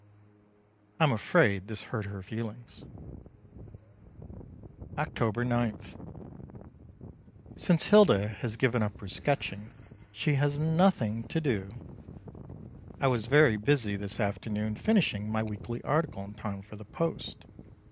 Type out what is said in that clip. I'm afraid this hurt her feelings. October 9. Since Hilda has given up her sketching she has nothing to do. I was very busy this afternoon finishing my weekly article in time for the post.